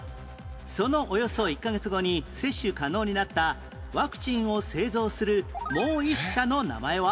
そのおよそ１カ月後に接種可能になったワクチンを製造するもう１社の名前は？